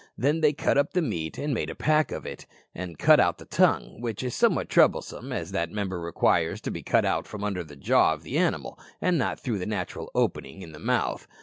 Then they cut up the meat and made a pack of it, and cut out the tongue, which is somewhat troublesome, as that member requires to be cut out from under the jaw of the animal, and not through the natural opening of the mouth.